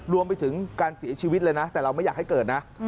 รวมไปถึงการเสียชีวิตเลยนะแต่เราไม่อยากให้เกิดนะ